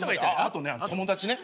あとね友達ね。